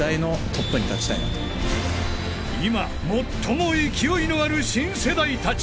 ［今最も勢いのある新世代たち］